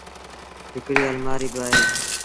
هڪڙيٚ المآريٚ با اهي۔